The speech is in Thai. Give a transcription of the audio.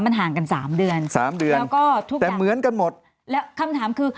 มันห่างกันสามเดือนสามเดือนแล้วก็ทุกเดือนแต่เหมือนกันหมดแล้วคำถามคือ